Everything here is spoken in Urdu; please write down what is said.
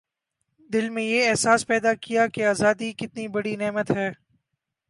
دل میں یہ احساس پیدا کیا کہ آزادی کتنی بڑی نعمت ہے